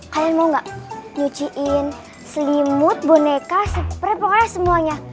kalian mau gak nyuciin selimut boneka pre pokoknya semuanya